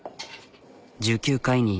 １９回に。